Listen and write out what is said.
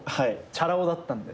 チャラ男だったんで。